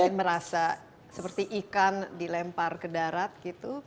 mungkin merasa seperti ikan dilempar ke darat gitu